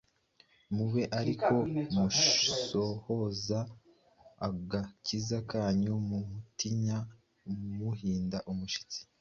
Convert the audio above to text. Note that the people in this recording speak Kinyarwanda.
mube ari ko musohoza agakiza kanyu, mutinya muhinda imishitsi.